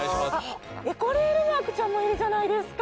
エコレールマークちゃんもいるじゃないですか！